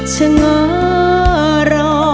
ชะเง้อรอ